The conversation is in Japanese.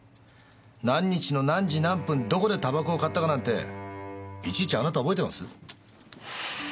何日の何時何分どこでタバコを買ったかなんていちいちあなた覚えてます？